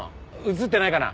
映ってないかな？